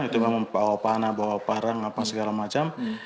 itu memang bawa panah bawa parang apa segala macam